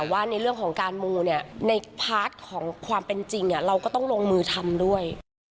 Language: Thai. แต่ว่าในเรื่องของการมูเนี่ยในพาร์ทของความเป็นจริงเราก็ต้องลงมือทำด้วย